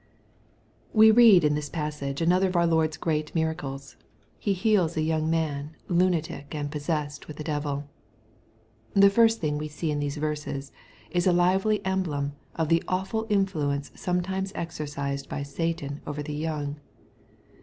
We read in this passage another of our Lord's great miracles. He heals a young man lunatic and possessed with a devil. The first thing we see in these verses is a lively emblem of the awful influence sometimes exercised by Satan over the young.